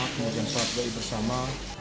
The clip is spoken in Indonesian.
kemudian suatu doa bersama